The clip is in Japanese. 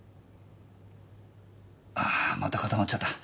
ああまた固まっちゃった。